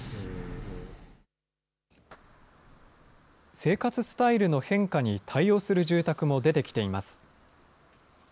生活スタイルの変化に対応する住宅も出てきています。